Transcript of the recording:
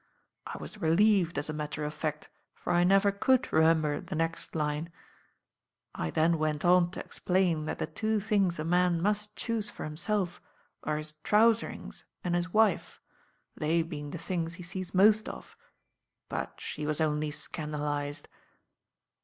I was relieved, as a matter of fact, for I never could re member the next line. I then went on to explain that the two things a man must choose for himself are his trouserings and his wife, they being the things he sees most of, but she was only scandal ised."